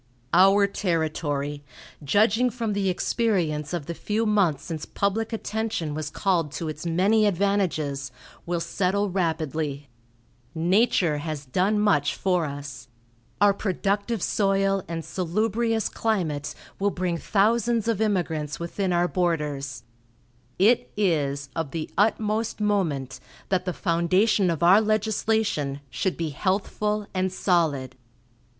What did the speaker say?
"Our territory, judging from the experience of the few months since public attention was called to its many advantages, will settle rapidly. Nature has done much for us. Our productive soil and salubrious climate will bring thousands of immigrants within our borders; it is of the utmost moment that the foundation of our legislation should be healthful and solid.